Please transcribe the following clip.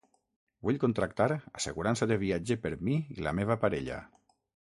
Vull contractar assegurança de viatge per mi i la meva parella.